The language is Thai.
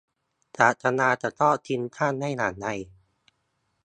ศาสดาจะทอดทิ้งท่านได้อย่างไร